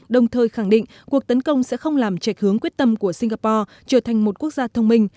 đồng thời khẳng định cuộc tấn công sẽ không làm trạch hướng quyết tâm của singapore trở thành một quốc gia thông minh